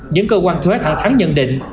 những cơ quan thuế thẳng thắng nhận định